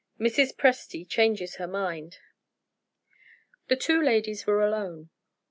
Mrs. Presty Changes Her Mind. The two ladies were alone.